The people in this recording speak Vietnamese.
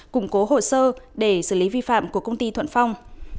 củng cố hồ sơ để xử lý vi phạm của công ty thuận phong